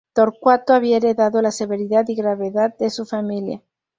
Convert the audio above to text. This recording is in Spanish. Torcuato había heredado la severidad y gravedad de su familia.